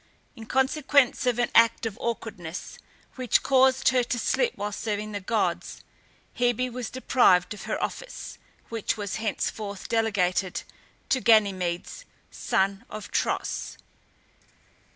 In consequence of an act of awkwardness, which caused her to slip while serving the gods, Hebe was deprived of her office, which was henceforth delegated to Ganymedes, son of Tros.